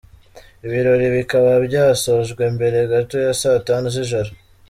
Ibirori bikaba byasojwe mbere gato ya saa tanu zijoro.